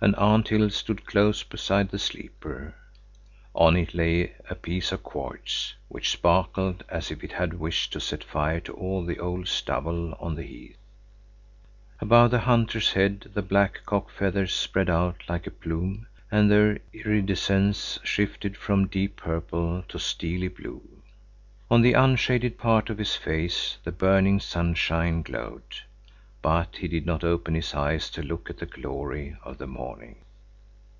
An anthill stood close beside the sleeper. On it lay a piece of quartz, which sparkled as if it had wished to set fire to all the old stubble of the heath. Above the hunter's head the black cock feathers spread out like a plume, and their iridescence shifted from deep purple to steely blue. On the unshaded part of his face the burning sunshine glowed. But he did not open his eyes to look at the glory of the morning.